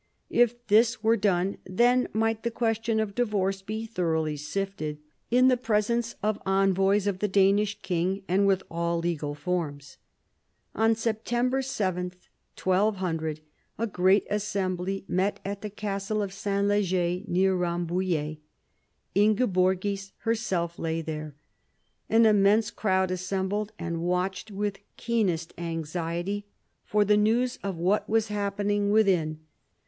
If this were done, then might the question of divorce be thoroughly sifted, in the presence of envoys of the Danish king and with all legal forms. On September 7, 1200, a great assembly met at the castle of S. Leger, near Rambouillet. Ingeborgis herself lay there. An immense crowd assembled, and watched, with keenest anxiety, for the news of what was happening within.